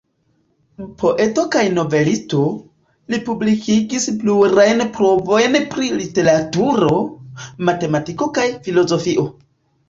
Poeto kaj novelisto, li publikigis plurajn provojn pri literaturo, matematiko kaj filozofio.